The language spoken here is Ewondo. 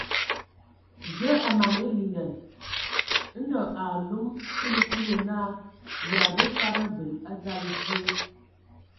Zǝə a mana hm liŋan. Ndo a alom sili Kulu naa yǝ a mbǝ fad abel a dzal die.